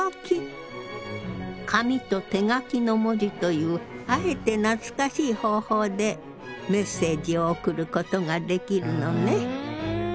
紙と手書きの文字というあえて懐かしい方法でメッセージを送ることができるのね。